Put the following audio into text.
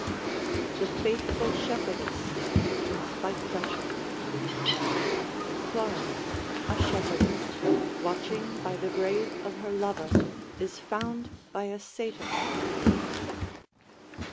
THE FAITHFUL SHEPHERDESS BY FLETCHER [Clorin, a shepherdess, watching by the grave of her lover, is found by a Satyr.